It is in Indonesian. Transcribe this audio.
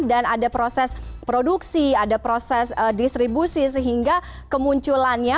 dan ada proses produksi ada proses distribusi sehingga kemunculannya